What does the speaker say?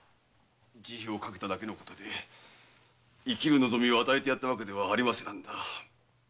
慈悲をかけただけで生きる望みを与えてやったわけではありませなんだ。